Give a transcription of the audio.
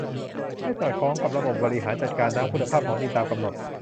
ให้สอดคล้องกับระบบบริหารจัดการน้ำคุณภาพของดินตามกำหนด